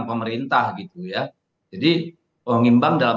pemerintah gitu ya jadi pengimbang dalam